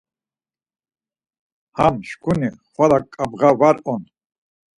Ham şǩuni xvala ǩabğa var on.